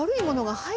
はい！